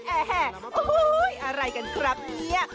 แอ้แห้แอ้แห้โอ้โฮอะไรกันครับเนี่ย